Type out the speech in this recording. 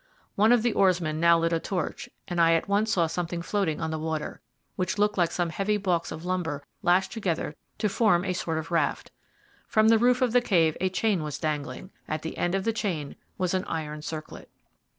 One of the oarsmen now lit a torch, and I at once saw something floating on the water, which looked like some heavy balks of timber lashed together to form a sort of raft. From the roof of the cave a chain was dangling. At the end of the chain was an iron circlet.